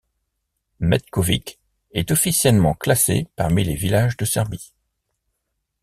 Metković est officiellement classé parmi les villages de Serbie.